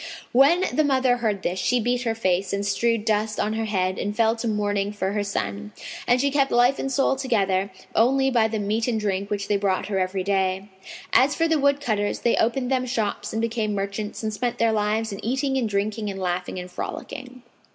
When the mother heard this, she beat her face and strewed dust on her head and fell to mourning for her son; and she kept life and soul together only by the meat and drink which they brought her every day. As for the woodcutters they opened them shops and became merchants and spent their lives in eating and drinking and laughing and frolicking.